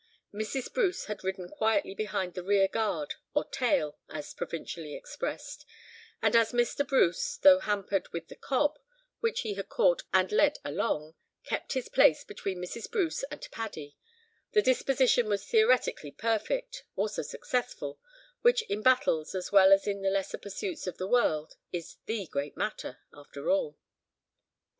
Mrs. Bruce had ridden quietly behind the rear guard, or "tail" (as provincially expressed), and as Mr. Bruce, though hampered with the cob, which he had caught and led along, kept his place between Mrs. Bruce and Paddy, the disposition was theoretically perfect, also successful, which in battles as well as in the lesser pursuits of the world is the great matter, after all.